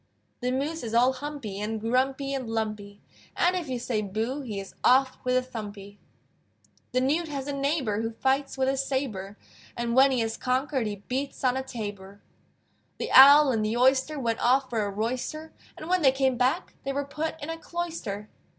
The Moose is all humpy, And grumpy and lumpy, And if you say, "Boo!" He is off with a thumpy. The Newt has a neighbor Who fights with a sabre, And when he has conquered He beats on a tabor. The Owl and the Oyster Went off for a royster, And when they came back They were put in a cloister.